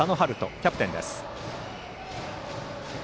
キャプテンです。